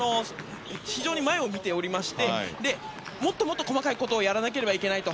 非常に前を見ておりましてもっともっと細かいことをやらなければいけない。